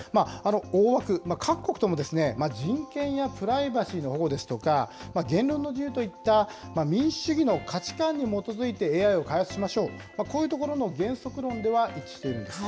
大枠、各国とも人権やプライバシーの保護ですとか、言論の自由といった民主主義の価値観に基づいてＡＩを開発しましょう、こういうところの原則論では一致しているんです。